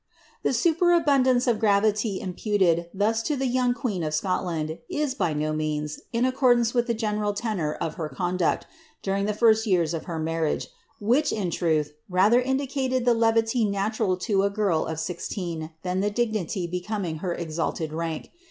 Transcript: The superabundance of gravity imputed thus to llie young queen of Scotland is, by no means, in accordance witli the general tenour of her conduct, during llie first years of her marriage, which, in truth, rather indicated the levity natural to a girl of sixteen than the dignity becoming her exalted rank.